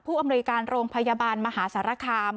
อำนวยการโรงพยาบาลมหาสารคาม